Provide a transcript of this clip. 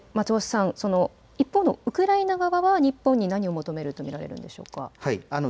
そして松尾さん、一方のウクライナ側は日本に何を求めると見られるのでしょうか。